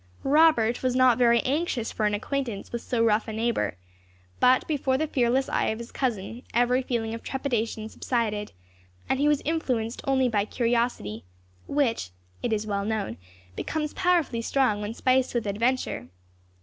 Robert was not very anxious for an acquaintance with so rough a neighbour, but before the fearless eye of his cousin every feeling of trepidation subsided, and he was influenced only by curiosity, which, it is well known, becomes powerfully strong when spiced with adventure.